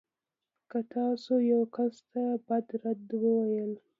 که تاسو يو کس ته بد رد وویل.